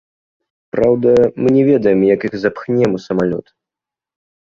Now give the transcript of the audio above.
Праўда, мы не ведаем як іх запхнем у самалёт.